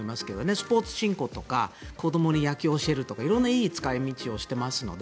スポーツ振興とか子どもに野球を教えるとか色んないい使い道をしていますので。